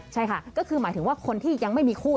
ใช่ค่ะก็คือหมายถึงว่าคนที่ยังไม่มีคู่